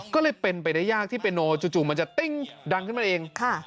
ก็เลยเป็นไปได้ยากที่เปโนจู่มันจะติ้งดังขึ้นมาเอง